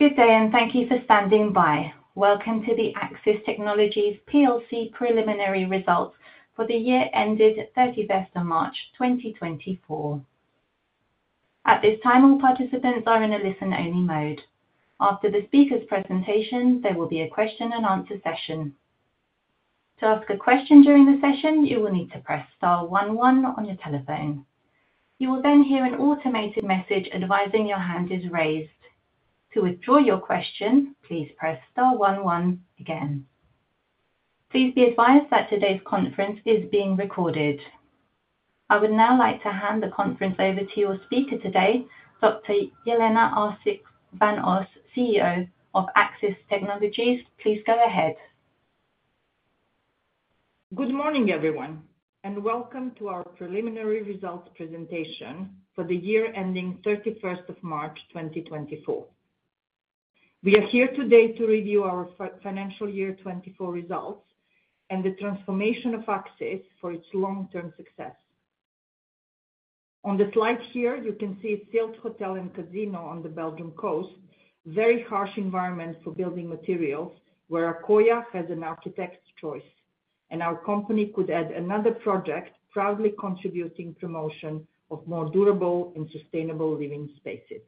Good day, and thank you for standing by. Welcome to the Accsys Technologies PLC preliminary results for the year ended 31 March 2024. At this time, all participants are in a listen-only mode. After the speaker's presentation, there will be a question-and-answer session. To ask a question during the session, you will need to press star one one on your telephone. You will then hear an automated message advising your hand is raised. To withdraw your question, please press star one one again. Please be advised that today's conference is being recorded. I would now like to hand the conference over to your speaker today, Dr. Jelena Arsic van Os, CEO of Accsys Technologies. Please go ahead. Good morning, everyone, and welcome to our preliminary results presentation for the year ending 31 March 2024. We are here today to review our financial year 2024 results and the transformation of Accsys for its long-term success. On the slide here, you can see a Silt hotel and casino on the Belgian coast, a very harsh environment for building materials, where Accoya has an architect's choice, and our company could add another project proudly contributing to the promotion of more durable and sustainable living spaces.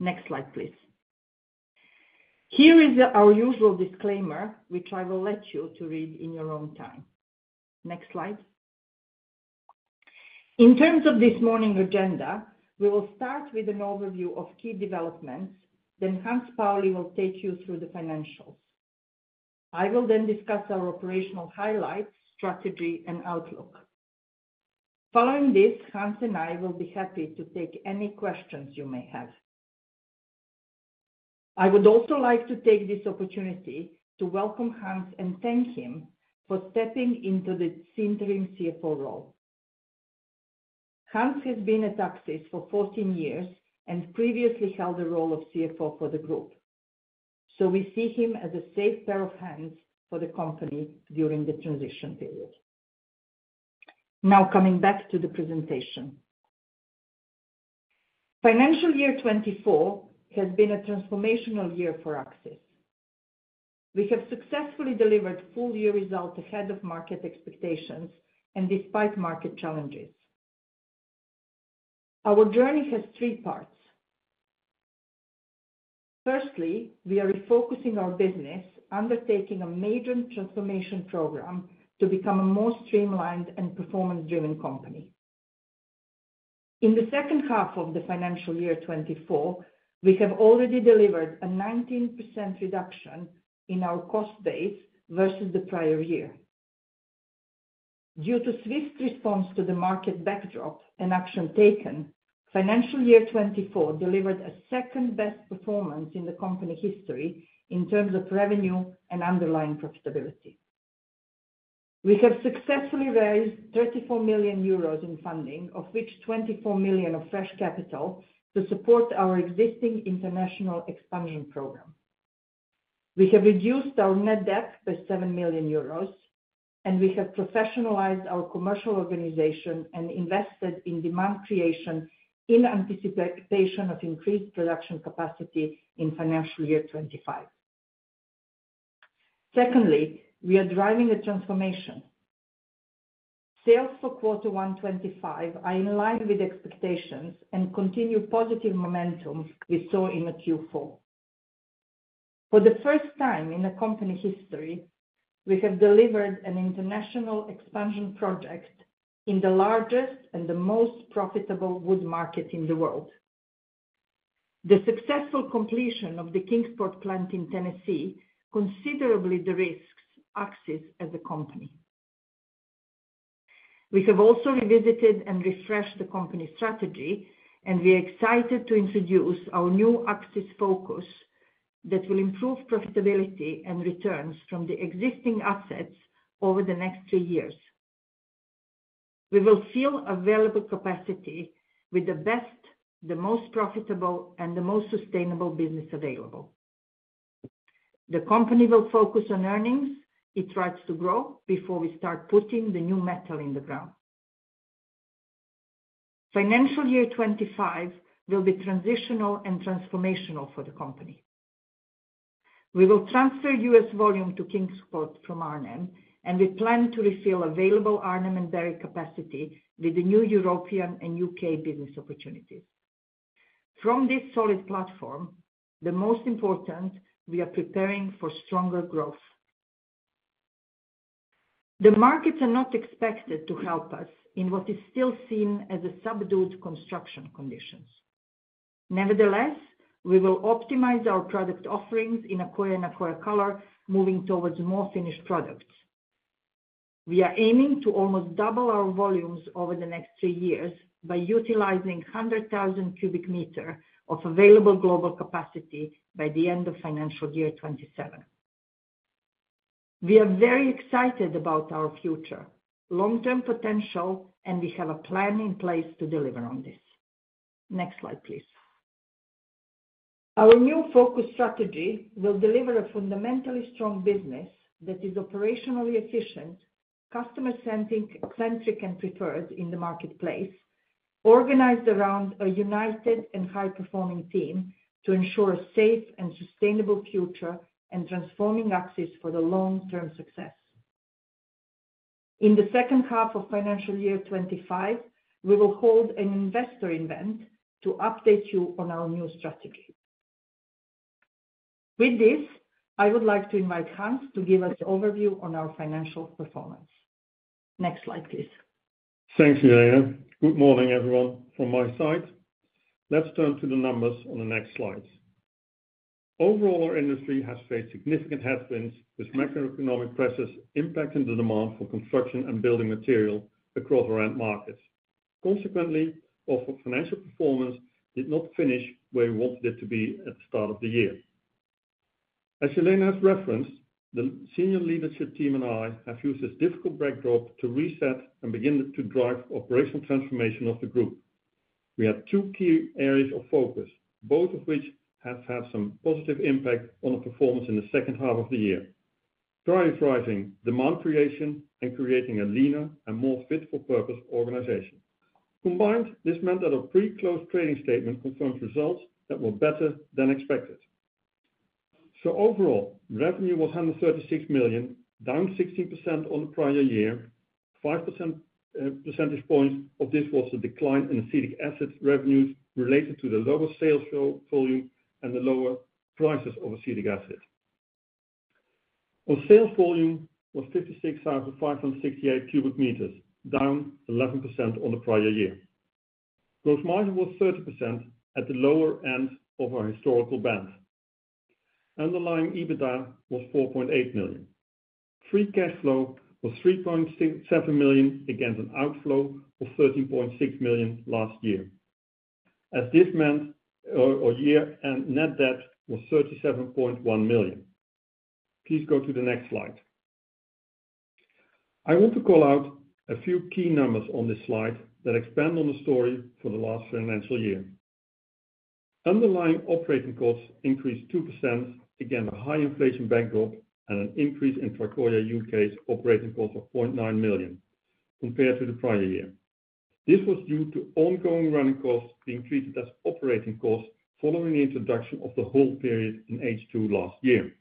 Next slide, please. Here is our usual disclaimer, which I will let you read in your own time. Next slide. In terms of this morning's agenda, we will start with an overview of key developments, then Hans Pauli will take you through the financials. I will then discuss our operational highlights, strategy, and outlook. Following this, Hans and I will be happy to take any questions you may have. I would also like to take this opportunity to welcome Hans and thank him for stepping into the interim CFO role. Hans has been at Accsys for 14 years and previously held the role of CFO for the group, so we see him as a safe pair of hands for the company during the transition period. Now, coming back to the presentation. Financial year 2024 has been a transformational year for Accsys. We have successfully delivered full-year results ahead of market expectations and despite market challenges. Our journey has three parts. Firstly, we are refocusing our business, undertaking a major transformation program to become a more streamlined and performance-driven company. In the second half of the financial year 2024, we have already delivered a 19% reduction in our cost base versus the prior year. Due to swift response to the market backdrop and action taken, financial year 2024 delivered a second-best performance in the company history in terms of revenue and underlying profitability. We have successfully raised 34 million euros in funding, of which 24 million of fresh capital, to support our existing international expansion program. We have reduced our net debt by 7 million euros, and we have professionalized our commercial organization and invested in demand creation in anticipation of increased production capacity in financial year 2025. Secondly, we are driving a transformation. Sales for Q1 2025 are in line with expectations and continue positive momentum we saw in Q4. For the first time in company history, we have delivered an international expansion project in the largest and the most profitable wood market in the world. The successful completion of the Kingsport plant in Tennessee considerably de-risked Accsys as a company. We have also revisited and refreshed the company strategy, and we are excited to introduce our new Accsys focus that will improve profitability and returns from the existing assets over the next three years. We will fill available capacity with the best, the most profitable, and the most sustainable business available. The company will focus on earnings. It tries to grow before we start putting the new metal in the ground. Financial year 2025 will be transitional and transformational for the company. We will transfer U.S. volume to Kingsport from Arnhem, and we plan to refill available Arnhem and Barry capacity with the new European and U.K. business opportunities. From this solid platform, the most important is that we are preparing for stronger growth. The markets are not expected to help us in what is still seen as subdued construction conditions. Nevertheless, we will optimize our product offerings in an Accoya and an Accoya Color moving towards more finished products. We are aiming to almost double our volumes over the next three years by utilizing 100,000 cubic meters of available global capacity by the end of financial year 27. We are very excited about our future, long-term potential, and we have a plan in place to deliver on this. Next slide, please. Our new focus strategy will deliver a fundamentally strong business that is operationally efficient, customer-centric, and preferred in the marketplace, organized around a united and high-performing team to ensure a safe and sustainable future and transforming Accsys for the long-term success. In the second half of financial year 25, we will hold an investor event to update you on our new strategy. With this, I would like to invite Hans to give us an overview on our financial performance. Next slide, please. Thanks, Jelena. Good morning, everyone, from my side. Let's turn to the numbers on the next slide. Overall, our industry has faced significant headwinds with macroeconomic pressures impacting the demand for construction and building material across our end markets. Consequently, our financial performance did not finish where we wanted it to be at the start of the year. As Jelena has referenced, the senior leadership team and I have used this difficult backdrop to reset and begin to drive operational transformation of the group. We had two key areas of focus, both of which have had some positive impact on our performance in the second half of the year: priority driving, demand creation, and creating a leaner and more fit-for-purpose organization. Combined, this meant that our pre-close trading statement confirmed results that were better than expected. Overall, revenue was 136 million, down 16% on the prior year. 5 percentage points of this was the decline in acetic acid revenues related to the lower sales volume and the lower prices of acetic acid. Our sales volume was 56,568 cubic meters, down 11% on the prior year. Gross margin was 30% at the lower end of our historical band. Underlying EBITDA was 4.8 million. Free cash flow was 3.7 million against an outflow of 13.6 million last year, as this meant our year-end net debt was 37.1 million. Please go to the next slide. I want to call out a few key numbers on this slide that expand on the story for the last financial year. Underlying operating costs increased 2% against a high inflation backdrop and an increase in Tricoya U.K.’s operating cost of 0.9 million compared to the prior year. This was due to ongoing running costs being treated as operating costs following the introduction of the hold period in H2 last year.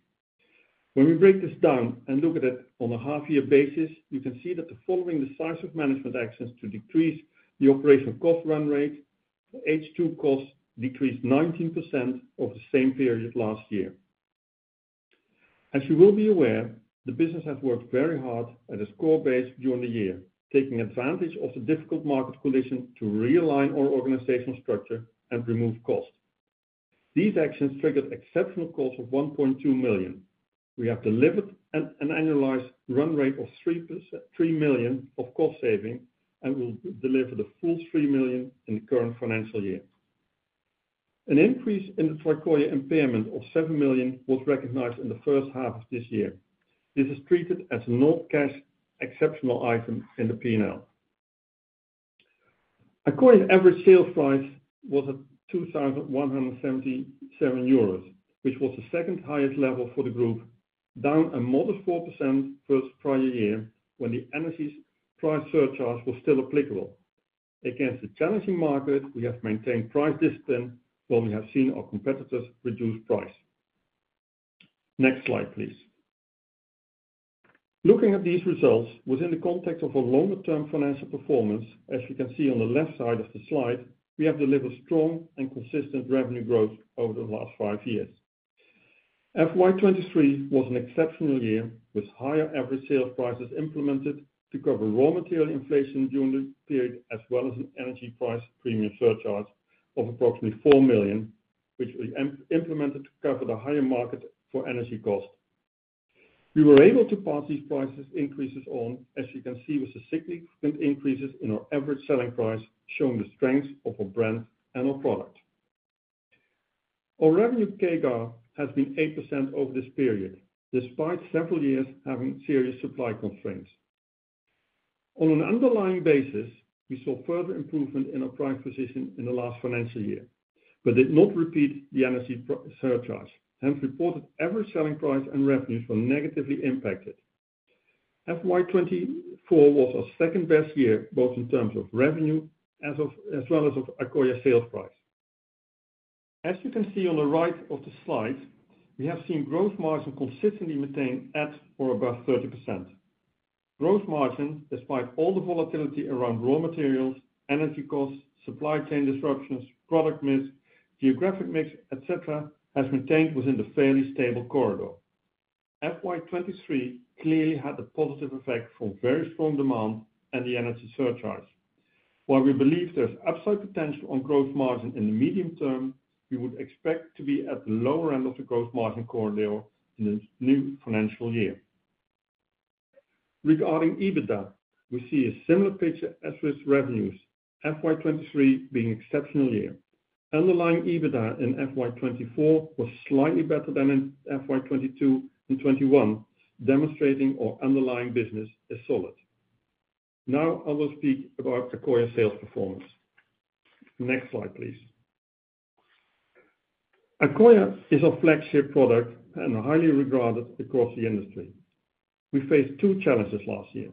When we break this down and look at it on a half-year basis, you can see that following the size of management actions to decrease the operational cost run rate, the H2 costs decreased 19% over the same period last year. As you will be aware, the business has worked very hard at its core base during the year, taking advantage of the difficult market condition to realign our organizational structure and remove costs. These actions triggered exceptional costs of 1.2 million. We have delivered an annualized run rate of 3 million of cost savings and will deliver the full 3 million in the current financial year. An increase in the Tricoya impairment of 7 million was recognized in the first half of this year. This is treated as a no-cash exceptional item in the P&L. Accoya average sales price was at 2,177 euros, which was the second highest level for the group, down a modest 4% versus the prior year when the energy price surcharge was still applicable. Against a challenging market, we have maintained price discipline while we have seen our competitors reduce price. Next slide, please. Looking at these results within the context of our longer-term financial performance, as you can see on the left side of the slide, we have delivered strong and consistent revenue growth over the last five years. FY23 was an exceptional year with higher average sales prices implemented to cover raw material inflation during the period, as well as an energy price premium surcharge of approximately 4 million, which we implemented to cover the higher market for energy cost. We were able to pass these price increases on, as you can see, with significant increases in our average selling price, showing the strength of our brand and our product. Our revenue CAGR has been 8% over this period, despite several years having serious supply constraints. On an underlying basis, we saw further improvement in our price position in the last financial year, but did not repeat the energy surcharge. Hence, reported average selling price and revenues were negatively impacted. FY 2024 was our second-best year, both in terms of revenue as well as of Tricoya sales price. As you can see on the right of the slide, we have seen gross margin consistently maintained at or above 30%. Gross margin, despite all the volatility around raw materials, energy costs, supply chain disruptions, product mix, geographic mix, etc., has maintained within the fairly stable corridor. FY23 clearly had a positive effect from very strong demand and the energy surcharge. While we believe there's upside potential on gross margin in the medium term, we would expect to be at the lower end of the gross margin corridor in the new financial year. Regarding EBITDA, we see a similar picture as with revenues, FY23 being an exceptional year. Underlying EBITDA in FY24 was slightly better than in FY22 and FY21, demonstrating our underlying business is solid. Now, I will speak about Tricoya's sales performance. Next slide, please. Tricoya is our flagship product and highly regarded across the industry. We faced two challenges last year.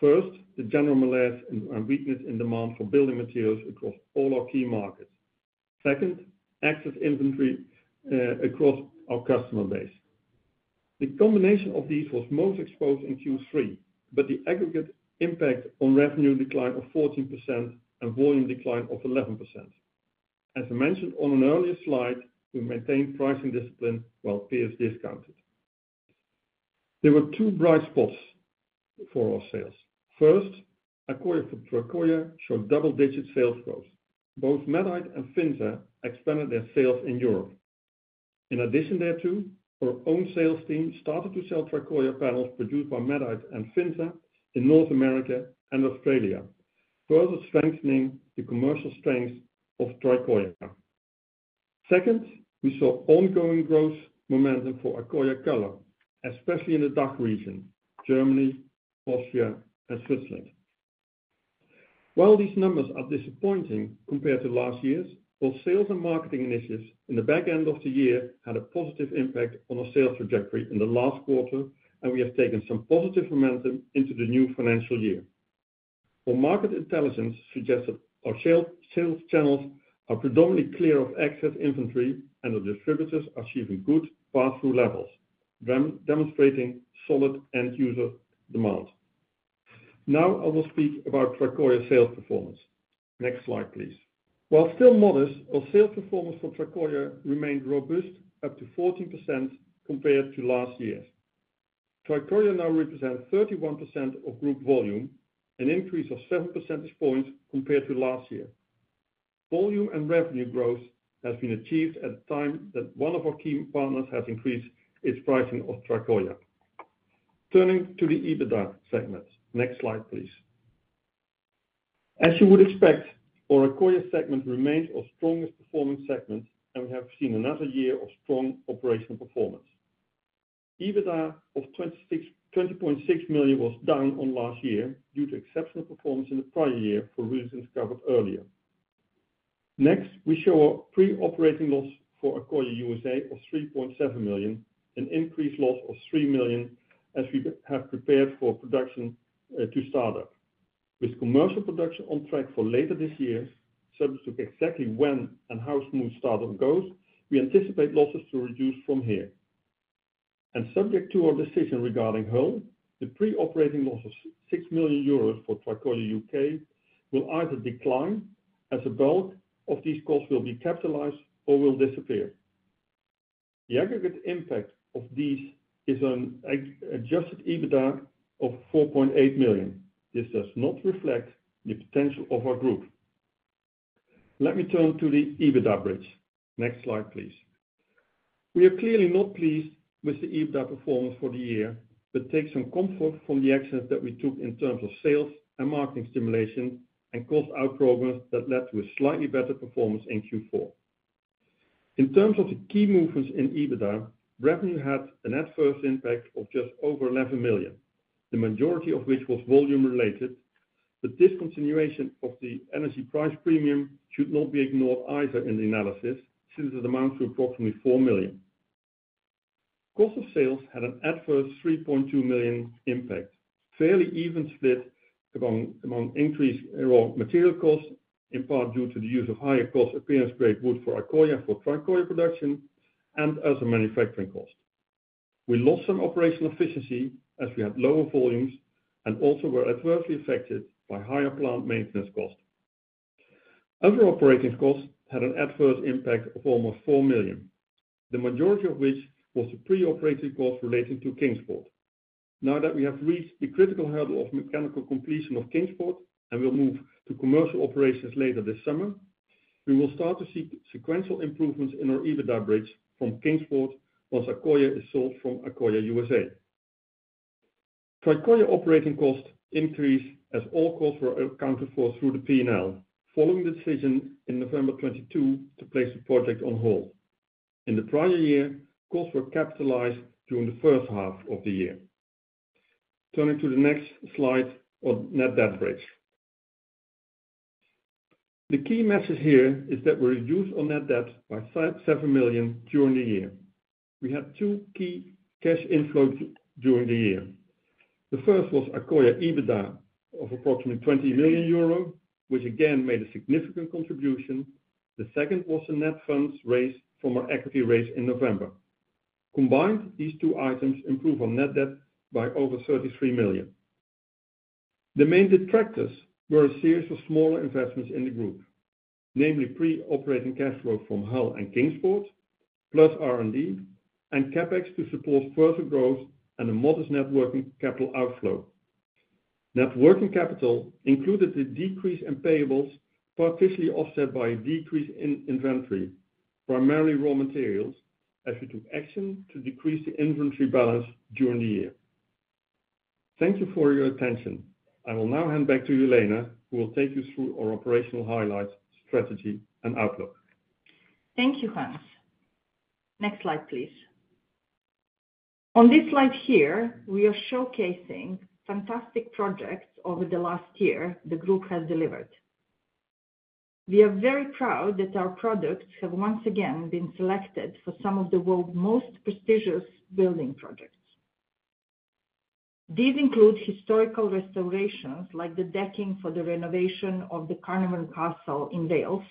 First, the general malaise and weakness in demand for building materials across all our key markets. Second, excess inventory across our customer base. The combination of these was most exposed in Q3, but the aggregate impact on revenue decline of 14% and volume decline of 11%. As I mentioned on an earlier slide, we maintained pricing discipline while peers discounted. There were two bright spots for our sales. First, Tricoya showed double-digit sales growth. Both MEDITE and FINSA expanded their sales in Europe. In addition thereto, our own sales team started to sell Tricoya panels produced by MEDITE and FINSA in North America and Australia, further strengthening the commercial strength of Tricoya. Second, we saw ongoing growth momentum for Tricoya, especially in the DACH region, Germany, Austria, and Switzerland. While these numbers are disappointing compared to last year's, both sales and marketing initiatives in the back end of the year had a positive impact on our sales trajectory in the last quarter, and we have taken some positive momentum into the new financial year. Our market intelligence suggests that our sales channels are predominantly clear of excess inventory, and our distributors are achieving good pass-through levels, demonstrating solid end-user demand. Now, I will speak about Tricoya's sales performance. Next slide, please. While still modest, our sales performance for Tricoya remained robust, up 14% compared to last year. Tricoya now represents 31% of group volume, an increase of 7 percentage points compared to last year. Volume and revenue growth has been achieved at a time that one of our key partners has increased its pricing of Tricoya. Turning to the EBITDA segment, next slide, please. As you would expect, our Tricoya segment remains our strongest performance segment, and we have seen another year of strong operational performance. EBITDA of 20.6 million was down on last year due to exceptional performance in the prior year for reasons covered earlier. Next, we show a pre-operating loss for Tricoya USA of 3.7 million, an increased loss of 3 million as we have prepared for production to start up. With commercial production on track for later this year, subject to exactly when and how smooth startup goes, we anticipate losses to reduce from here. And subject to our decision regarding Hull, the pre-operating loss of 6 million euros for Tricoya U.K. will either decline as a bulk of these costs will be capitalized or will disappear. The aggregate impact of these is an adjusted EBITDA of 4.8 million. This does not reflect the potential of our group. Let me turn to the EBITDA bridge. Next slide, please. We are clearly not pleased with the EBITDA performance for the year, but take some comfort from the excess that we took in terms of sales and marketing stimulation and cost-out programs that led to a slightly better performance in Q4. In terms of the key movements in EBITDA, revenue had an adverse impact of just over 11 million, the majority of which was volume-related. The discontinuation of the energy price premium should not be ignored either in the analysis since it amounts to approximately 4 million. Cost of sales had an adverse 3.2 million impact, fairly even split among increased raw material costs, in part due to the use of higher cost appearance grade wood for Tricoya production and as a manufacturing cost. We lost some operational efficiency as we had lower volumes and also were adversely affected by higher plant maintenance cost. Other operating costs had an adverse impact of almost 4 million, the majority of which was the pre-operating cost relating to Kingsport. Now that we have reached the critical hurdle of mechanical completion of Kingsport and will move to commercial operations later this summer, we will start to see sequential improvements in our EBITDA bridge from Kingsport once Tricoya is sold from Tricoya USA. Tricoya operating costs increased as all costs were accounted for through the P&L, following the decision in November 2022 to place the project on hold. In the prior year, costs were capitalized during the first half of the year. Turning to the next slide on net debt bridge. The key message here is that we reduced our net debt by 7 million during the year. We had two key cash inflows during the year. The first was Tricoya EBITDA of approximately 20 million euro, which again made a significant contribution. The second was the net funds raised from our equity raise in November. Combined, these two items improved our net debt by over 33 million. The main detractors were a series of smaller investments in the group, namely pre-operating cash flow from Hull and Kingsport, plus R&D and CapEx to support further growth and a modest working capital outflow. Working capital included the decrease in payables partially offset by a decrease in inventory, primarily raw materials, as we took action to decrease the inventory balance during the year. Thank you for your attention. I will now hand back to Jelena, who will take you through our operational highlights, strategy, and outlook. Thank you, Hans. Next slide, please. On this slide here, we are showcasing fantastic projects over the last year the group has delivered. We are very proud that our products have once again been selected for some of the world's most prestigious building projects. These include historical restorations like the decking for the renovation of the Caernarfon Castle in Wales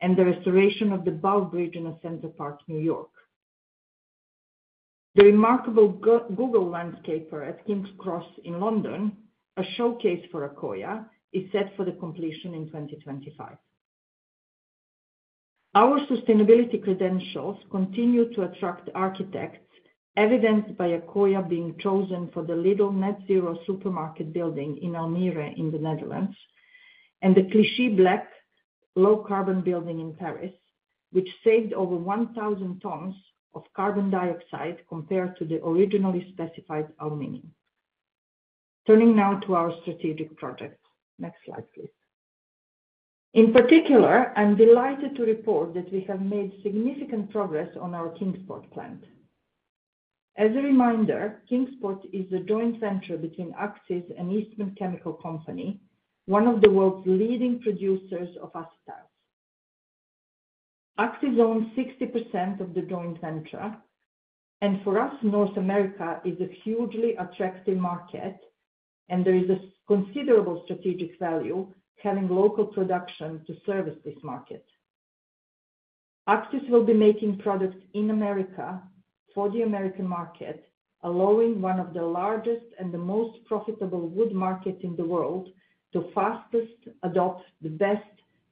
and the restoration of the Bow Bridge in the Central Park, New York. The remarkable Google landscraper at King's Cross in London, a showcase for Tricoya, is set for completion in 2025. Our sustainability credentials continue to attract architects, evidenced by Tricoya being chosen for the Lidl net-zero supermarket building in Almere in the Netherlands and the Clichy Black low-carbon building in Paris, which saved over 1,000 tons of carbon dioxide compared to the originally specified aluminum. Turning now to our strategic projects. Next slide, please. In particular, I'm delighted to report that we have made significant progress on our Kingsport plant. As a reminder, Kingsport is the joint venture between Accsys and Eastman Chemical Company, one of the world's leading producers of acetyls. Accsys owns 60% of the joint venture, and for us, North America is a hugely attractive market, and there is a considerable strategic value having local production to service this market. Accsys will be making products in America for the American market, allowing one of the largest and the most profitable wood markets in the world to fastest adopt the best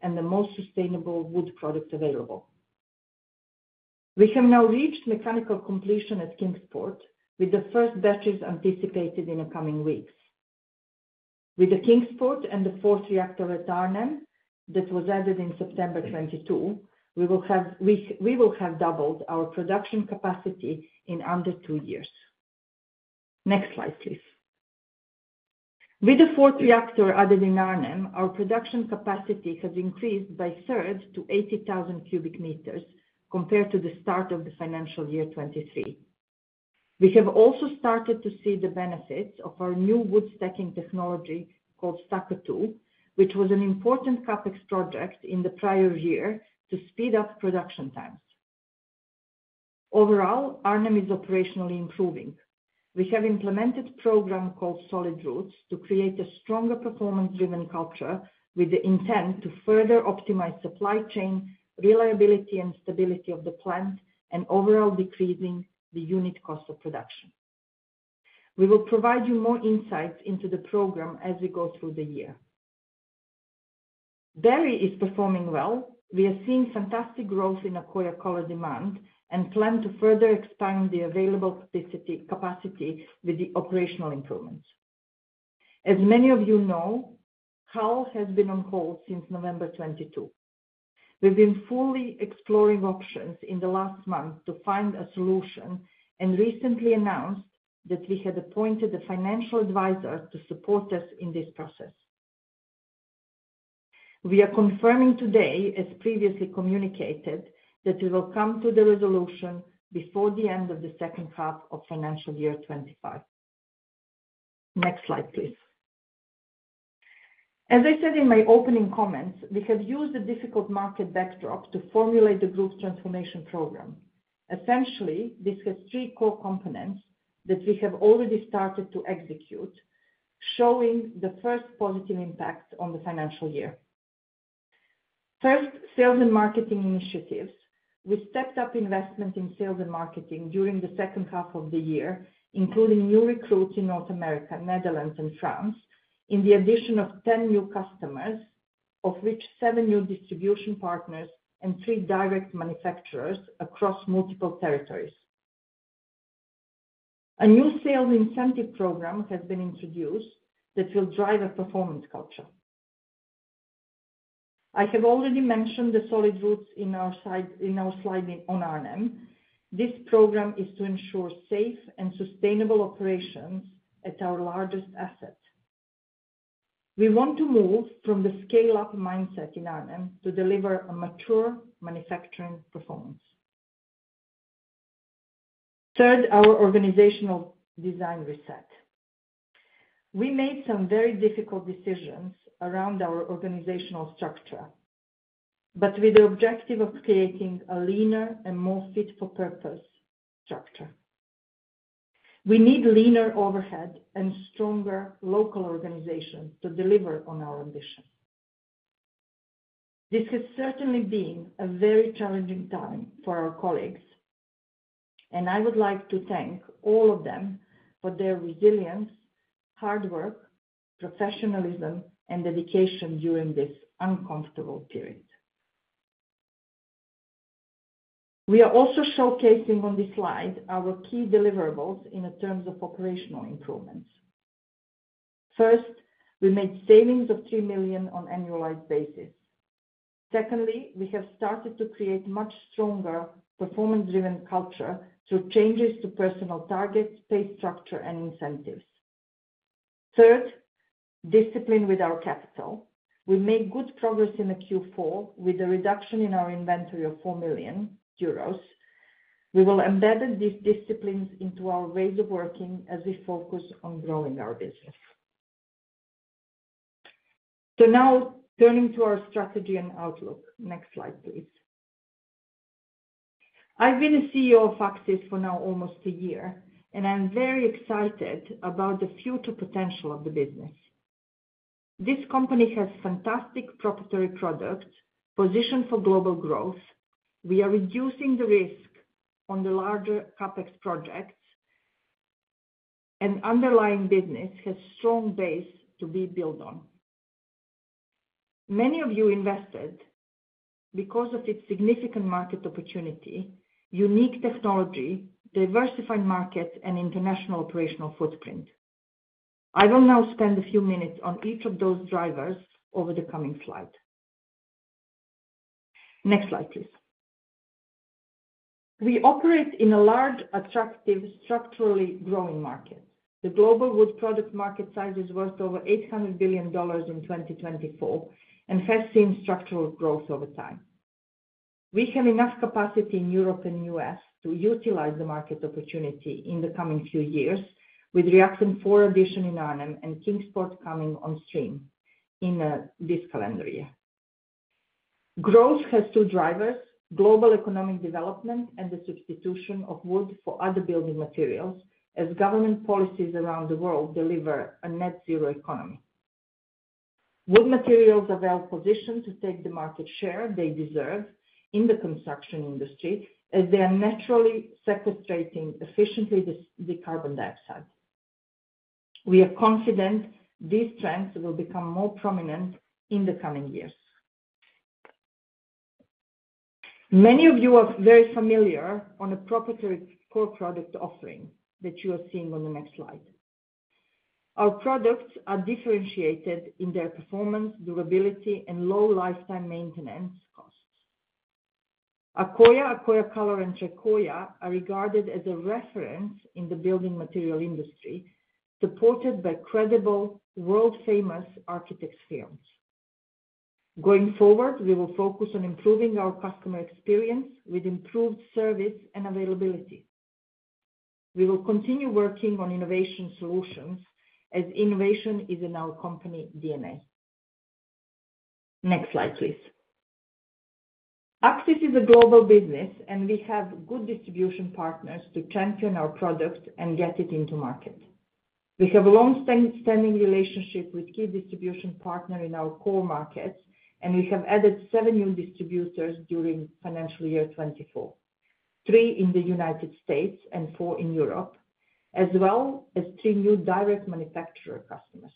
and the most sustainable wood product available. We have now reached mechanical completion at Kingsport, with the first batches anticipated in the coming weeks. With the Kingsport and the fourth reactor at Arnhem that was added in September 2022, we will have doubled our production capacity in under two years. Next slide, please. With the fourth reactor added in Arnhem, our production capacity has increased by a third to 80,000 cubic meters compared to the start of the financial year 2023. We have also started to see the benefits of our new wood stacking technology called Stack 2, which was an important CapEx project in the prior year to speed up production times. Overall, Arnhem is operationally improving. We have implemented a program called Solid Roots to create a stronger performance-driven culture with the intent to further optimize supply chain, reliability, and stability of the plant, and overall decreasing the unit cost of production. We will provide you more insights into the program as we go through the year. Barry is performing well. We are seeing fantastic growth in Tricoya's demand and plan to further expand the available capacity with the operational improvements. As many of you know, Hull has been on hold since November 22. We've been fully exploring options in the last month to find a solution and recently announced that we had appointed a financial advisor to support us in this process. We are confirming today, as previously communicated, that we will come to the resolution before the end of the second half of financial year 2025. Next slide, please. As I said in my opening comments, we have used a difficult market backdrop to formulate the group's transformation program. Essentially, this has three core components that we have already started to execute, showing the first positive impact on the financial year. First, sales and marketing initiatives. We stepped up investment in sales and marketing during the second half of the year, including new recruits in North America, Netherlands, and France, in addition to 10 new customers, of which 7 new distribution partners and 3 direct manufacturers across multiple territories. A new sales incentive program has been introduced that will drive a performance culture. I have already mentioned the Solid Roots in our slide on Arnhem. This program is to ensure safe and sustainable operations at our largest asset. We want to move from the scale-up mindset in Arnhem to deliver a mature manufacturing performance. Third, our organizational design reset. We made some very difficult decisions around our organizational structure, but with the objective of creating a leaner and more fit-for-purpose structure. We need leaner overhead and stronger local organizations to deliver on our ambition. This has certainly been a very challenging time for our colleagues, and I would like to thank all of them for their resilience, hard work, professionalism, and dedication during this uncomfortable period. We are also showcasing on this slide our key deliverables in terms of operational improvements. First, we made savings of 3 million on an annualized basis. Secondly, we have started to create a much stronger performance-driven culture through changes to personal targets, pay structure, and incentives. Third, discipline with our capital. We made good progress in Q4 with a reduction in our inventory of 4 million euros. We will embed these disciplines into our ways of working as we focus on growing our business. So now, turning to our strategy and outlook. Next slide, please. I've been a CEO of Accsys for now almost a year, and I'm very excited about the future potential of the business. This company has fantastic proprietary products positioned for global growth. We are reducing the risk on the larger CapEx projects, and the underlying business has a strong base to be built on. Many of you invested because of its significant market opportunity, unique technology, diversified market, and international operational footprint. I will now spend a few minutes on each of those drivers over the coming slide. Next slide, please. We operate in a large, attractive, structurally growing market. The global wood product market size is worth over $800 billion in 2024 and has seen structural growth over time. We have enough capacity in Europe and the U.S. to utilize the market opportunity in the coming few years, with Reaction 4 addition in Arnhem and Kingsport coming on stream in this calendar year. Growth has two drivers: global economic development and the substitution of wood for other building materials, as government policies around the world deliver a net-zero economy. Wood materials are well-positioned to take the market share they deserve in the construction industry, as they are naturally sequestering efficiently the carbon dioxide. We are confident these trends will become more prominent in the coming years. Many of you are very familiar with the proprietary core product offering that you are seeing on the next slide. Our products are differentiated in their performance, durability, and low lifetime maintenance costs. Accoya, Accoya Color, and Tricoya are regarded as a reference in the building material industry, supported by credible, world-famous architects' firms. Going forward, we will focus on improving our customer experience with improved service and availability. We will continue working on innovation solutions, as innovation is in our company DNA. Next slide, please. Accsys is a global business, and we have good distribution partners to champion our product and get it into market. We have a long-standing relationship with key distribution partners in our core markets, and we have added seven new distributors during financial year 2024, three in the United States and four in Europe, as well as three new direct manufacturer customers.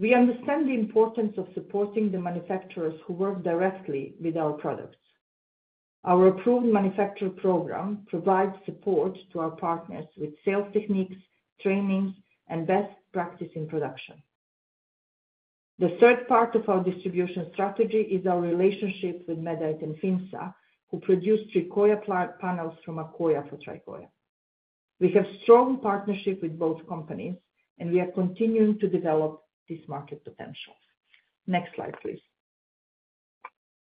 We understand the importance of supporting the manufacturers who work directly with our products. Our approved manufacturer program provides support to our partners with sales techniques, trainings, and best practices in production. The third part of our distribution strategy is our relationship with Medite and FINSA, who produce Tricoya panels from Tricoya. We have a strong partnership with both companies, and we are continuing to develop this market potential. Next slide, please.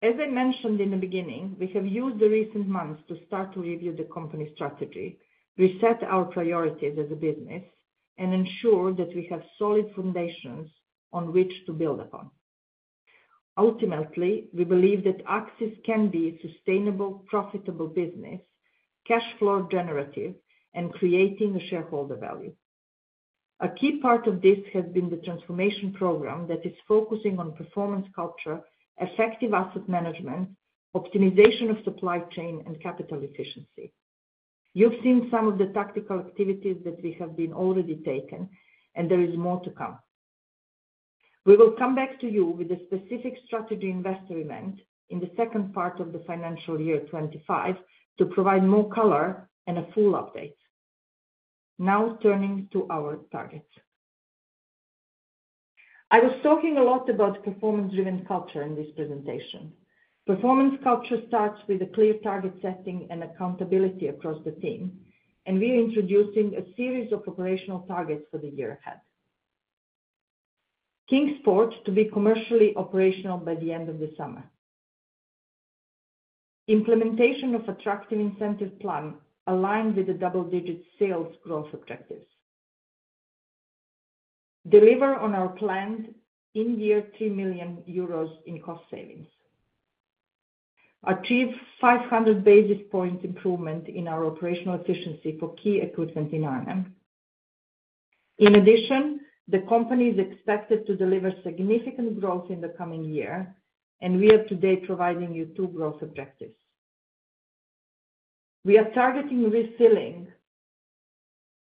As I mentioned in the beginning, we have used the recent months to start to review the company strategy, reset our priorities as a business, and ensure that we have solid foundations on which to build upon. Ultimately, we believe that Accsys can be a sustainable, profitable business, cash flow generative, and creating shareholder value. A key part of this has been the transformation program that is focusing on performance culture, effective asset management, optimization of supply chain, and capital efficiency. You've seen some of the tactical activities that we have already taken, and there is more to come. We will come back to you with a specific strategy investor event in the second part of the financial year 2025 to provide more color and a full update. Now, turning to our targets. I was talking a lot about performance-driven culture in this presentation. Performance culture starts with a clear target setting and accountability across the team, and we are introducing a series of operational targets for the year ahead: Kingsport to be commercially operational by the end of the summer. Implementation of an attractive incentive plan aligned with the double-digit sales growth objectives. Deliver on our planned in-year 3 million euros in cost savings. Achieve 500 basis points improvement in our operational efficiency for key equipment in Arnhem. In addition, the company is expected to deliver significant growth in the coming year, and we are today providing you two growth objectives. We are targeting refilling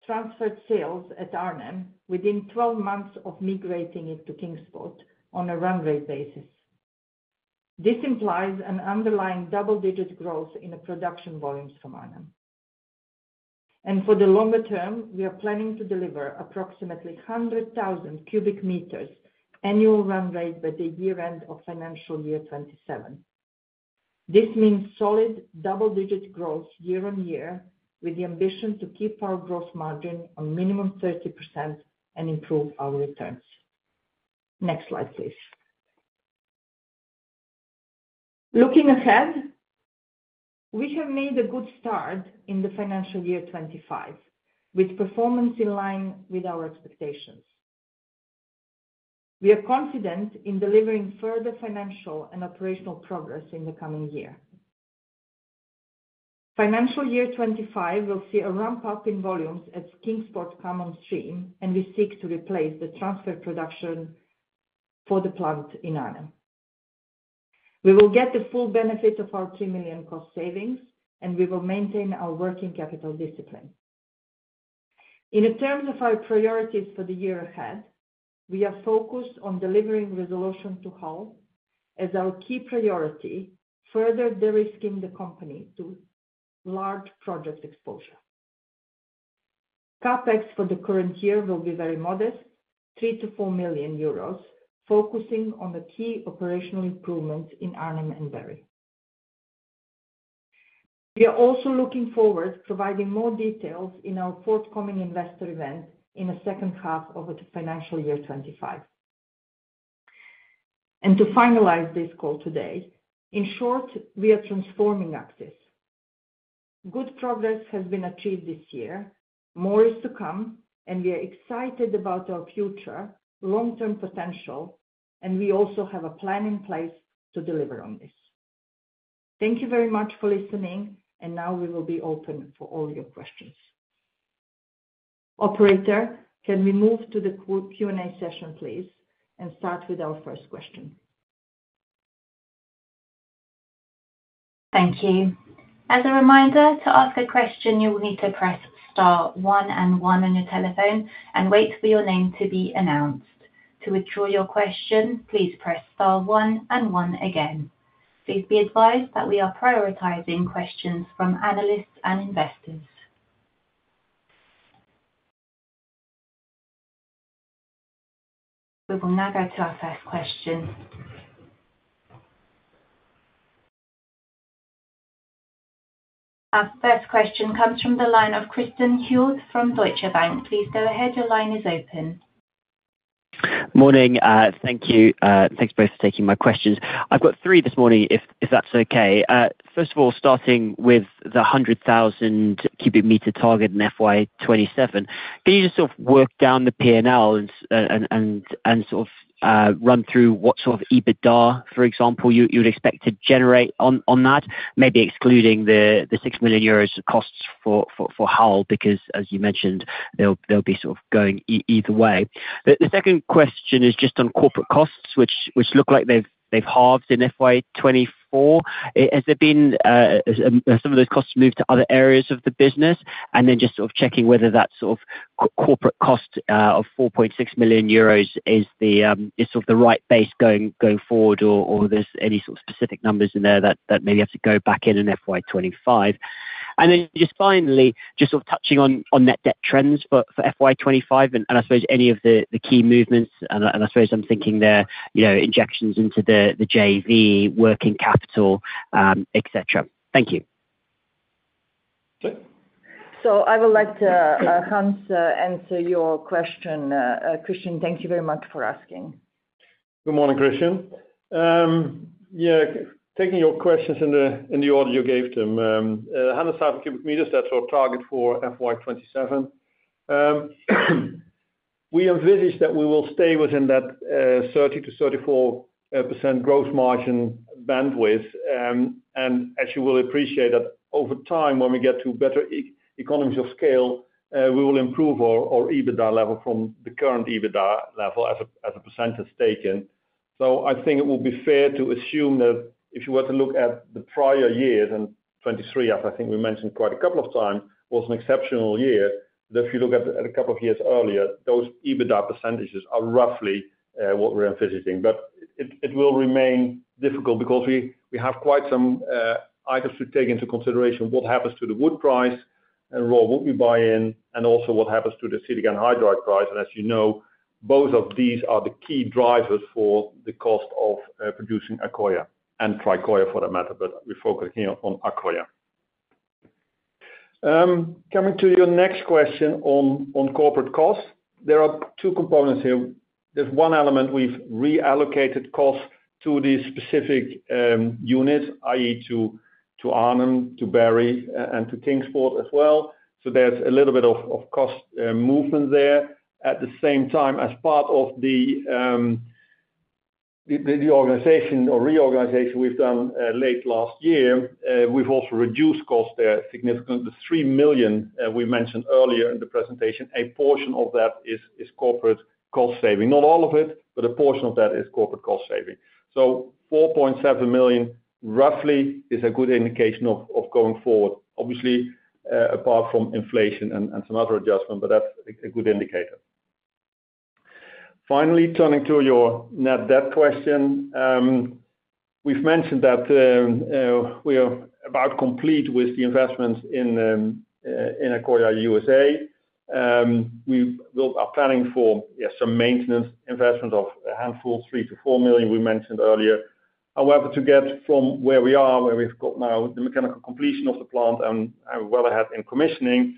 transferred sales at Arnhem within 12 months of migrating it to Kingsport on a run rate basis. This implies an underlying double-digit growth in production volumes from Arnhem. For the longer term, we are planning to deliver approximately 100,000 cubic meters annual run rate by the year-end of financial year 27. This means solid double-digit growth year-on-year with the ambition to keep our gross margin on a minimum of 30% and improve our returns. Next slide, please. Looking ahead, we have made a good start in the financial year 25 with performance in line with our expectations. We are confident in delivering further financial and operational progress in the coming year. Financial year 25 will see a ramp-up in volumes at Kingsport come on stream, and we seek to replace the transfer production for the plant in Arnhem. We will get the full benefit of our 3 million cost savings, and we will maintain our working capital discipline. In terms of our priorities for the year ahead, we are focused on delivering resolution to Hull as our key priority, further de-risking the company to large project exposure. CapEx for the current year will be very modest, 3 million-4 million euros, focusing on the key operational improvements in Arnhem and Barry. We are also looking forward to providing more details in our forthcoming investor event in the second half of financial year 2025. To finalize this call today, in short, we are transforming Accsys. Good progress has been achieved this year. More is to come, and we are excited about our future, long-term potential, and we also have a plan in place to deliver on this. Thank you very much for listening, and now we will be open for all your questions. Operator, can we move to the Q&A session, please, and start with our first question? Thank you. As a reminder, to ask a question, you will need to press Star 1 and 1 on your telephone and wait for your name to be announced. To withdraw your question, please press Star 1 and 1 again. Please be advised that we are prioritizing questions from analysts and investors. We will now go to our first question. Our first question comes from the line of Christen Hjorth from Deutsche Bank. Please go ahead. Your line is open. Morning. Thank you. Thanks both for taking my questions. I've got three this morning, if that's okay. First of all, starting with the 100,000 cubic meter target in FY27, can you just sort of work down the P&L and sort of run through what sort of EBITDA, for example, you would expect to generate on that, maybe excluding the 6 million euros costs for Hull, because, as you mentioned, they'll be sort of going either way. The second question is just on corporate costs, which look like they've halved in FY24. Has there been some of those costs moved to other areas of the business? And then just sort of checking whether that sort of corporate cost of 4.6 million euros is sort of the right base going forward, or are there any sort of specific numbers in there that maybe have to go back in in FY25? And then just finally, just sort of touching on net debt trends for FY25 and, I suppose, any of the key movements. And I suppose I'm thinking there are injections into the JV, working capital, etc. Thank you. So I would like to Hans to answer your question. Christen, thank you very much for asking. Good morning, Christen. Yeah, taking your questions in the order you gave them, 100,000 cubic meters, that's our target for FY27. We envisage that we will stay within that 30%-34% gross margin bandwidth. And as you will appreciate, over time, when we get to better economies of scale, we will improve our EBITDA level from the current EBITDA level as a percentage taken. So I think it will be fair to assume that if you were to look at the prior years, and 2023, as I think we mentioned quite a couple of times, was an exceptional year, that if you look at a couple of years earlier, those EBITDA percentages are roughly what we're envisaging. But it will remain difficult because we have quite some items to take into consideration: what happens to the wood price and raw wood we buy in, and also what happens to the acetic anhydride price. And as you know, both of these are the key drivers for the cost of producing Tricoya, and Tricoya, for that matter, but we're focusing here on Tricoya. Coming to your next question on corporate costs, there are two components here. There's one element we've reallocated costs to these specific units, i.e., to Arnhem, to Barry, and to Kingsport as well. So there's a little bit of cost movement there. At the same time, as part of the organization or reorganization we've done late last year, we've also reduced costs there significantly. The 3 million we mentioned earlier in the presentation, a portion of that is corporate cost saving. Not all of it, but a portion of that is corporate cost saving. So 4.7 million, roughly, is a good indication of going forward, obviously, apart from inflation and some other adjustment, but that's a good indicator. Finally, turning to your net debt question, we've mentioned that we are about complete with the investments in Tricoya, USA. We are planning for some maintenance investments of a handful, 3 million-4 million we mentioned earlier. However, to get from where we are, where we've got now the mechanical completion of the plant and well ahead in commissioning,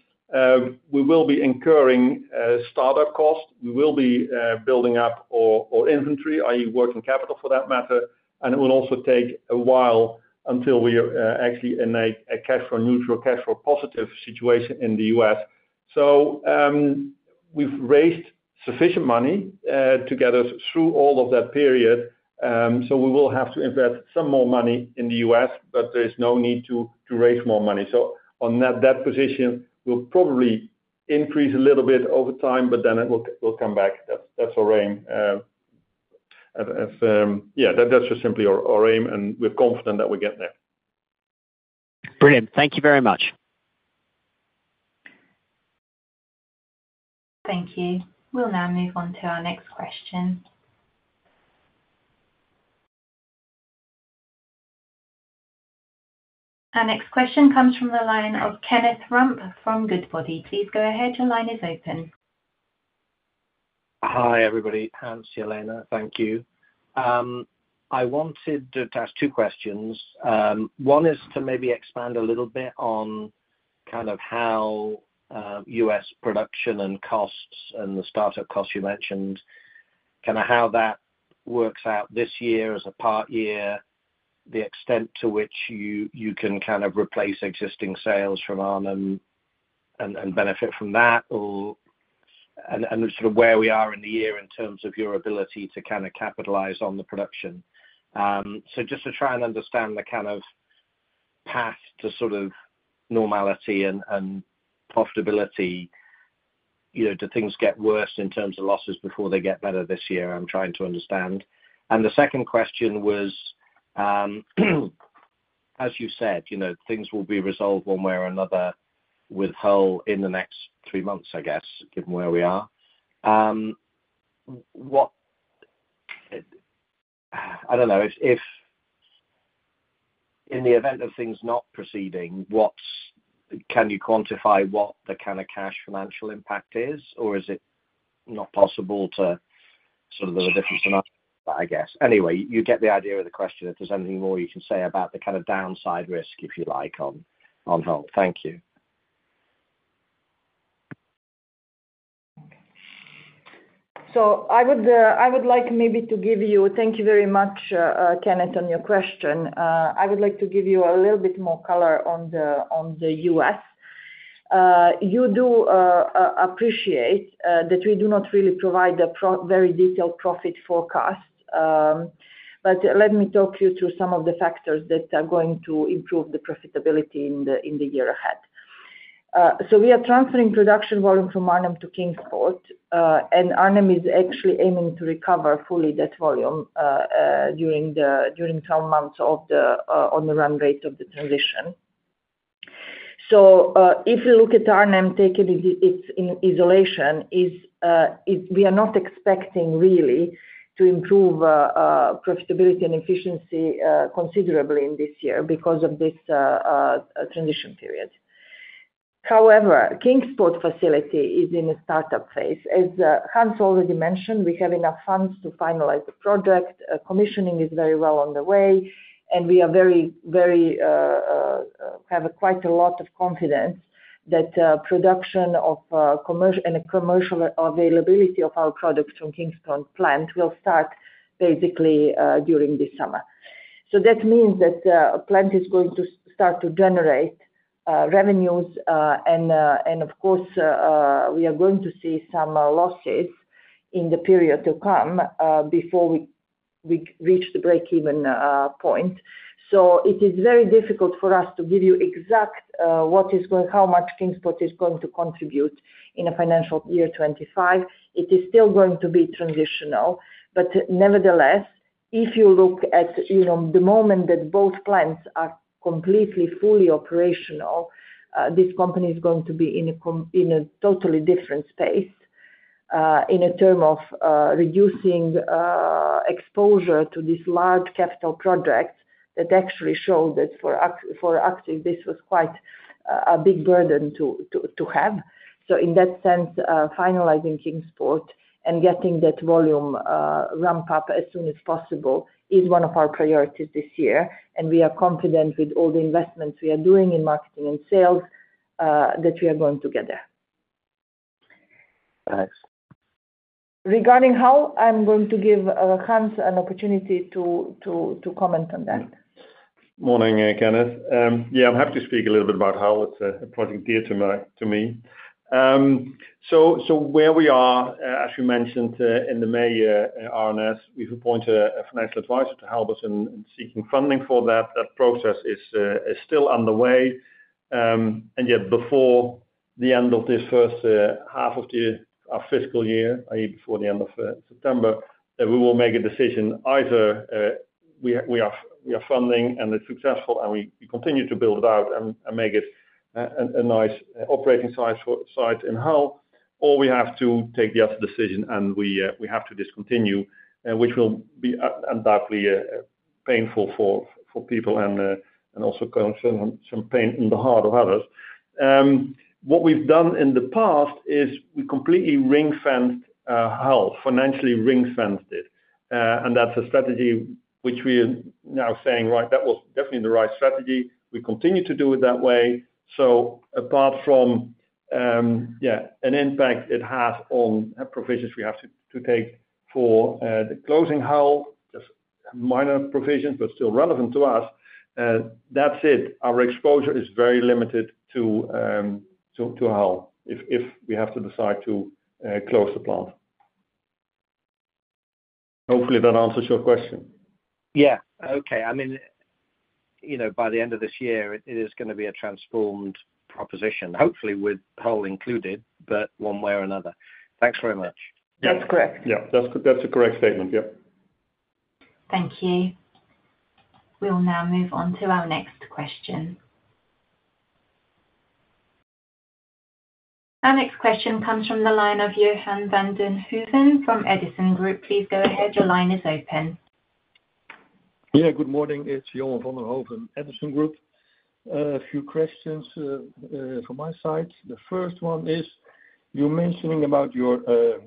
we will be incurring startup costs. We will be building up our inventory, i.e., working capital for that matter, and it will also take a while until we actually enable a cash flow neutral, cash flow positive situation in the US. So we've raised sufficient money together through all of that period, so we will have to invest some more money in the US, but there is no need to raise more money. So on that position, we'll probably increase a little bit over time, but then it will come back. That's our aim. Yeah, that's just simply our aim, and we're confident that we'll get there. Brilliant. Thank you very much. Thank you. We'll now move on to our next question. Our next question comes from the line of Ken Rumph from Goodbody. Please go ahead. Your line is open. Hi, everybody. Hans, Jelena, thank you. I wanted to ask two questions. One is to maybe expand a little bit on kind of how U.S. production and costs and the startup costs you mentioned, kind of how that works out this year as a part year, the extent to which you can kind of replace existing sales from Arnhem and benefit from that, and sort of where we are in the year in terms of your ability to kind of capitalize on the production. So just to try and understand the kind of path to sort of normality and profitability, do things get worse in terms of losses before they get better this year? I'm trying to understand. And the second question was, as you said, things will be resolved one way or another with Hull in the next three months, I guess, given where we are. I don't know. In the event of things not proceeding, can you quantify what the kind of cash financial impact is, or is it not possible to sort of, there's a difference in our, I guess. Anyway, you get the idea of the question. If there's anything more you can say about the kind of downside risk, if you like, on Hull. Thank you. So I would like maybe to give you thank you very much, Kenneth, on your question. I would like to give you a little bit more color on the U.S. You do appreciate that we do not really provide a very detailed profit forecast, but let me talk you through some of the factors that are going to improve the profitability in the year ahead. So we are transferring production volume from Arnhem to Kingsport, and Arnhem is actually aiming to recover fully that volume during some months on the run rate of the transition. So if we look at Arnhem taken in isolation, we are not expecting really to improve profitability and efficiency considerably in this year because of this transition period. However, Kingsport facility is in a startup phase. As Hans already mentioned, we have enough funds to finalize the project. Commissioning is very well on the way, and we have quite a lot of confidence that production and commercial availability of our products from Kingsport plant will start basically during this summer. So that means that the plant is going to start to generate revenues, and of course, we are going to see some losses in the period to come before we reach the break-even point. So it is very difficult for us to give you exactly how much Kingsport is going to contribute in a financial year 2025. It is still going to be transitional, but nevertheless, if you look at the moment that both plants are completely fully operational, this company is going to be in a totally different space in terms of reducing exposure to these large capital projects that actually showed that for Accsys, this was quite a big burden to have. So in that sense, finalizing Kingsport and getting that volume ramp-up as soon as possible is one of our priorities this year, and we are confident with all the investments we are doing in marketing and sales that we are going to get there. Thanks. Regarding Hull, I'm going to give Hans an opportunity to comment on that. Morning, Kenneth. Yeah, I'm happy to speak a little bit about Hull. It's a pleasant duty to me. So where we are, as you mentioned, in the May R&S, we've appointed a financial advisor to help us in seeking funding for that. That process is still underway. And yeah, before the end of this first half of our fiscal year, i.e., before the end of September, we will make a decision either we are funding and it's successful, and we continue to build it out and make it a nice operating size in Hull, or we have to take the other decision and we have to discontinue, which will be undoubtedly painful for people and also cause some pain in the heart of others. What we've done in the past is we completely ring-fenced Hull, financially ring-fenced it. And that's a strategy which we are now saying, "Right, that was definitely the right strategy. We continue to do it that way." So apart from, yeah, an impact it has on provisions we have to take for closing Hull, just minor provisions, but still relevant to us, that's it. Our exposure is very limited to Hull if we have to decide to close the plant. Hopefully, that answers your question. Yeah. Okay. I mean, by the end of this year, it is going to be a transformed proposition, hopefully with Hull included, but one way or another. Thanks very much. That's correct. Yeah, that's a correct statement. Yeah. Thank you. We'll now move on to our next question. Our next question comes from the line of Johan van den Hoogen from Edison Group. Please go ahead. Your line is open. Yeah, good morning. It's Johan van den Hooven from Edison Group. A few questions from my side. The first one is you're mentioning about your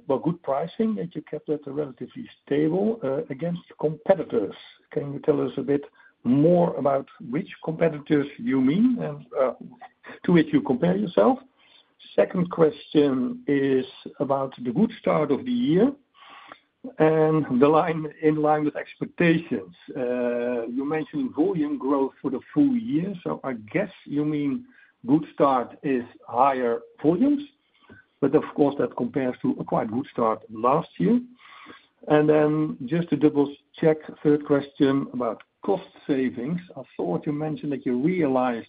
good pricing that you kept at a relatively stable against competitors. Can you tell us a bit more about which competitors you mean and to which you compare yourself? Second question is about the good start of the year and in line with expectations. You mentioned volume growth for the full year, so I guess you mean good start is higher volumes, but of course, that compares to a quite good start last year. And then just to double-check, third question about cost savings. I thought you mentioned that you realized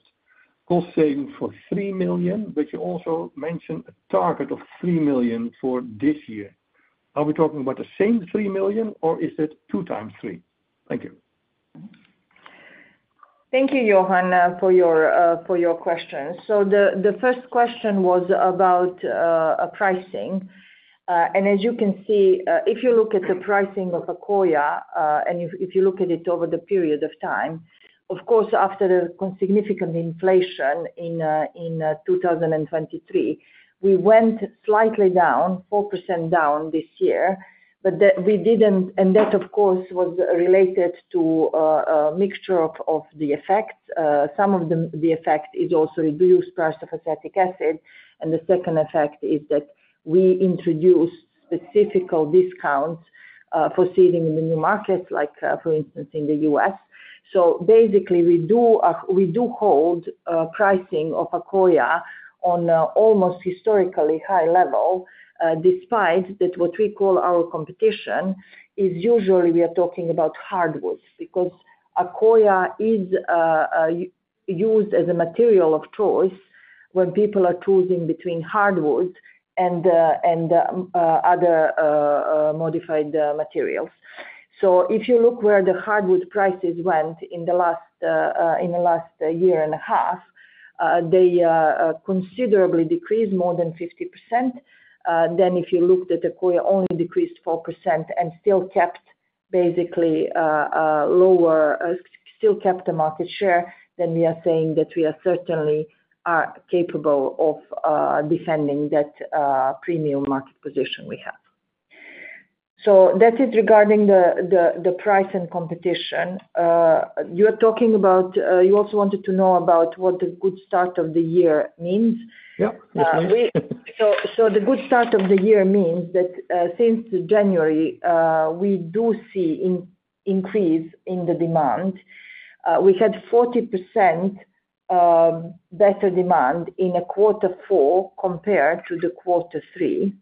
cost savings for 3 million, but you also mentioned a target of 3 million for this year. Are we talking about the same 3 million, or is it two times three? Thank you. Thank you, Johan, for your questions. So the first question was about pricing. As you can see, if you look at the pricing of Tricoya, and if you look at it over the period of time, of course, after the significant inflation in 2023, we went slightly down, 4% down this year, but we didn't, and that, of course, was related to a mixture of the effects. Some of the effect is also reduced price of acetic acid, and the second effect is that we introduced specific discounts foreseeing the new markets, like for instance, in the US. So basically, we do hold pricing of Tricoya on almost historically high level, despite that what we call our competition is usually we are talking about hardwoods because Tricoya is used as a material of choice when people are choosing between hardwoods and other modified materials. So if you look where the hardwood prices went in the last year and a half, they considerably decreased more than 50%. Then if you looked at Tricoya, only decreased 4% and still kept basically lower, still kept a market share, then we are saying that we are certainly capable of defending that premium market position we have. So that is regarding the price and competition. You are talking about you also wanted to know about what the good start of the year means. Yeah. So the good start of the year means that since January, we do see an increase in the demand. We had 40% better demand in quarter four compared to quarter three.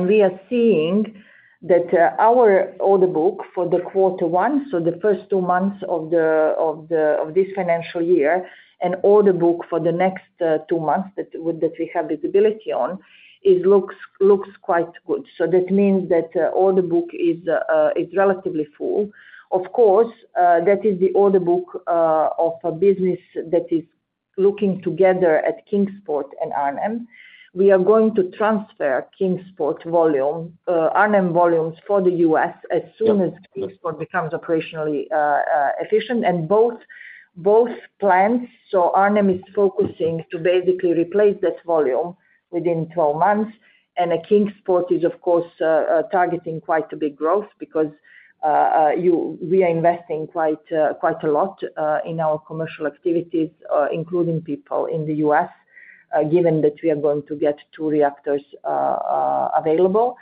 We are seeing that our order book for quarter one, so the first two months of this financial year and order book for the next two months that we have visibility on, looks quite good. So that means that the order book is relatively full. Of course, that is the order book of a business that is looking together at Kingsport and Arnhem. We are going to transfer Kingsport volume, Arnhem volumes for the US as soon as Kingsport becomes operationally efficient, and both plants. So Arnhem is focusing to basically replace that volume within 12 months. And Kingsport is, of course, targeting quite a big growth because we are investing quite a lot in our commercial activities, including people in the US, given that we are going to get 2 reactors available.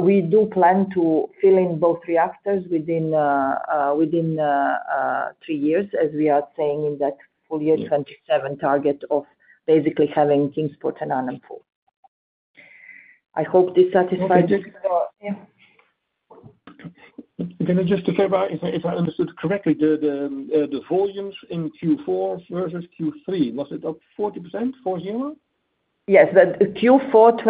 We do plan to fill in both reactors within three years, as we are saying in that full year 2027 target of basically having Kingsport and Arnhem full. I hope this satisfies you. Can I just clarify, if I understood correctly, the volumes in Q4 versus Q3, was it up 40%, 40? Yes, but Q4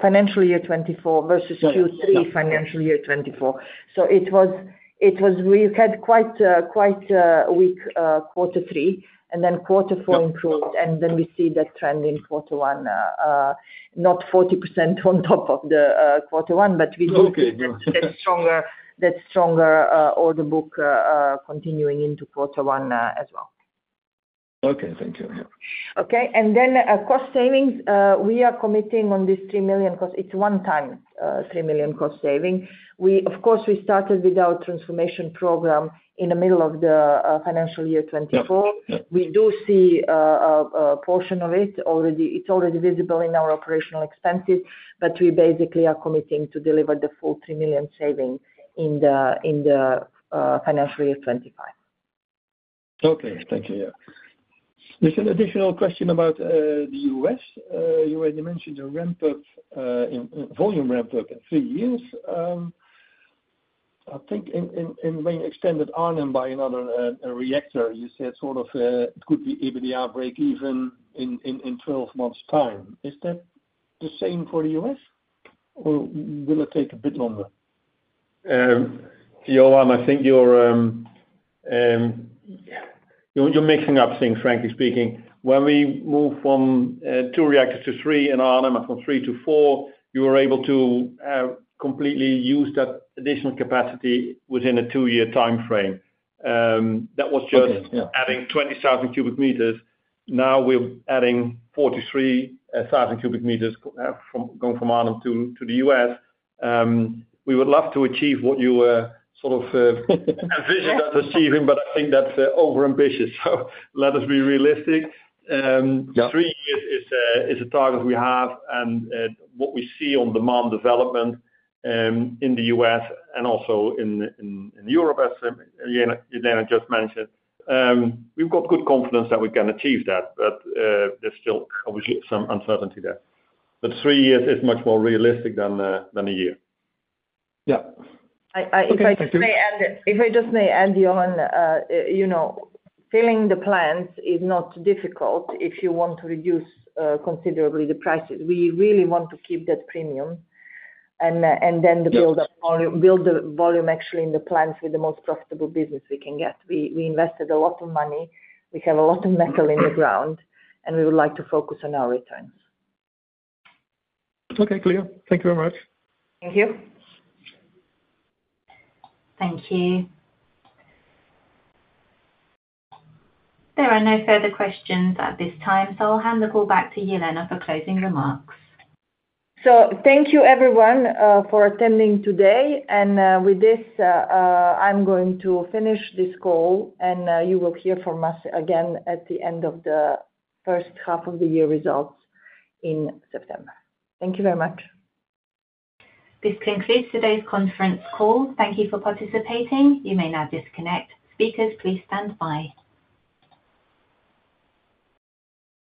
financial year 2024 versus Q3 financial year 2024. So we had quite a weak quarter three, and then quarter four improved, and then we see that trend in quarter one, not 40% on top of quarter one, but we see that stronger order book continuing into quarter one as well. Okay. Thank you. Yeah. Okay. And then cost savings, we are committing on this 3 million. It's a one-time 3 million cost saving. Of course, we started with our transformation program in the middle of the financial year 2024. We do see a portion of it. It's already visible in our operational expenses, but we basically are committing to deliver the full 3 million saving in the financial year 2025. Okay. Thank you. Yeah. There's an additional question about the U.S. You already mentioned a volume ramp-up in three years. I think when you extended Arnhem by another reactor, you said sort of it could be EBITDA break-even in 12 months' time. Is that the same for the U.S., or will it take a bit longer? Johan, I think you're mixing up things, frankly speaking. When we moved from two reactors to three in Arnhem and from three to four, you were able to completely use that additional capacity within a two-year timeframe. That was just adding 20,000 cubic meters. Now we're adding 43,000 cubic meters going from Arnhem to the U.S. We would love to achieve what you sort of envisioned us achieving, but I think that's overambitious. So let us be realistic. Three years is a target we have, and what we see on demand development in the U.S. and also in Europe, as Jelena just mentioned, we've got good confidence that we can achieve that, but there's still, obviously, some uncertainty there. But three years is much more realistic than a year. Yeah. If I just may add, Johan, filling the plants is not difficult if you want to reduce considerably the prices. We really want to keep that premium and then build the volume actually in the plants with the most profitable business we can get. We invested a lot of money. We have a lot of metal in the ground, and we would like to focus on our returns. Okay. Clear. Thank you very much. Thank you. Thank you. There are no further questions at this time, so I'll hand the call back to Jelena for closing remarks. So thank you, everyone, for attending today. And with this, I'm going to finish this call, and you will hear from us again at the end of the first half of the year results in September. Thank you very much. This concludes today's conference call. Thank you for participating. You may now disconnect. Speakers, please stand by.